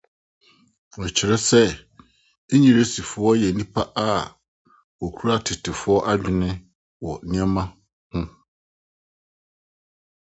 Wɔkyerɛ sɛ Engiresifo yɛ nnipa a wokura tetefo adwene wɔ nneɛma ho.